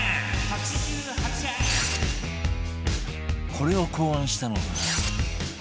これを考案したのが